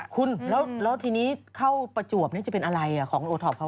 คุณแล้วทีนี้เข้าประจวบนี้จะเป็นอะไรอ่ะของโชว์หัวตอบเขา